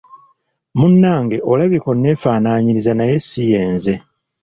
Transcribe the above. Munnange olabika onnefaanyiriza naye si ye nze.